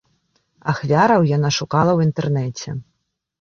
Ахвяраў яна шукала ў інтэрнэце.